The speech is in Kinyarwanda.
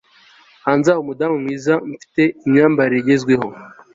hanze aha, umudamu mwiza! mfite imyambarire igezweho